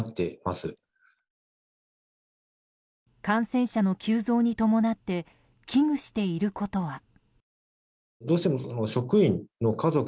感染者の急増に伴って危惧していることは。